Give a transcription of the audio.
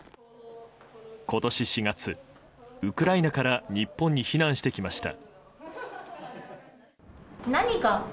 今年４月、ウクライナから日本に避難してきました。